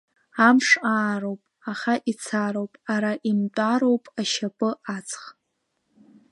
Амш аароуп, аха ицароуп, ара имтәароуп ашьапы аҵх.